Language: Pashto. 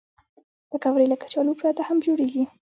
پکورې له کچالو پرته هم جوړېږي